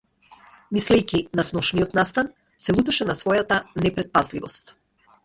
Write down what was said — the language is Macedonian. Мислејќи на сношниот настан, се лутеше на својата непретпазливост.